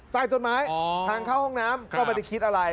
ใต้ต้นไม้ทางเข้าห้องน้ำก็ไม่ได้คิดอะไร